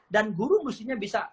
dan guru harusnya bisa